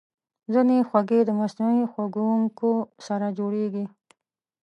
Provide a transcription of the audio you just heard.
ځینې خوږې د مصنوعي خوږونکو سره جوړېږي.